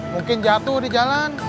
mungkin jatuh di jalan